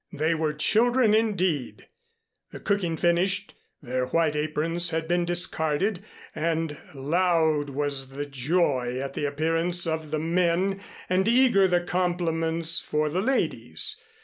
They were children, indeed. The cooking finished, their white aprons had been discarded and loud was the joy at the appearance of the men and eager the compliments for the ladies.